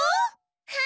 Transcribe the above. はい。